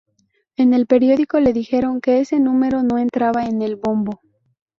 En el periódico le dijeron que ese número no entraba en el bombo.